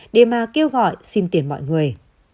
để mà kêu gọi xin tiền mọi người